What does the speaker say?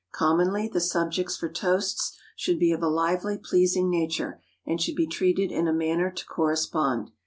Commonly, the subjects for toasts should be of a lively pleasing nature, and should be treated in a manner to correspond.